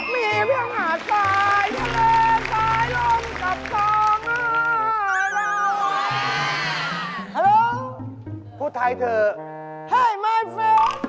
มีไผ้หาว้าสายทะเลชายลวมจาตรง